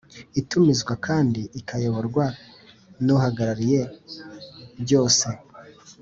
itumizwa kandi ikayoborwa n Uhagarariyebyose